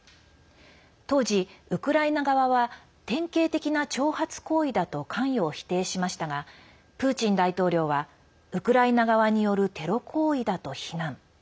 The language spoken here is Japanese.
当時、ウクライナ側は典型的な挑発行為だと関与を否定しましたがプーチン大統領はウクライナ側によるテロ行為だと非難。